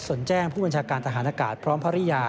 นแจ้งผู้บัญชาการทหารอากาศพร้อมภรรยา